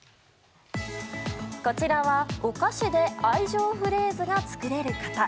こちらは、お菓子で愛情フレーズが作れる型。